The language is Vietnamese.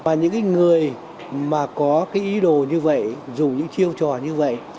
và những cái người mà có cái ý đồ như vậy dùng những chiêu trò như vậy